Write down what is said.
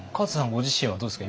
ご自身はどうですか。